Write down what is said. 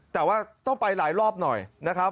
แต่ว่าต้องไปหลายรอบหน่อยนะครับ